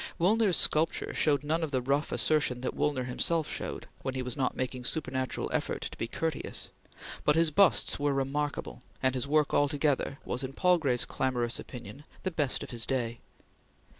Woolner's sculpture showed none of the rough assertion that Woolner himself showed, when he was not making supernatural effort to be courteous, but his busts were remarkable, and his work altogether was, in Palgrave's clamorous opinion, the best of his day.